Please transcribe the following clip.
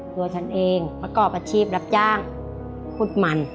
ตัวฉันเองประกอบอาชีพรับจ้างขุดมัน